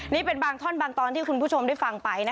นี่เป็นบางท่อนบางตอนที่คุณผู้ชมได้ฟังไป